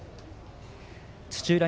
土浦